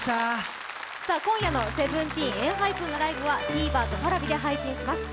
今夜のＳＥＶＥＮＴＥＥＮ、ＥＮＨＹＰＥＮのライブはＴｖｅｒとＰａｒａｖｉで配信します。